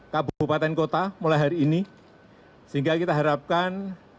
kabupaten kota mulai hari ini sehingga kita harapkan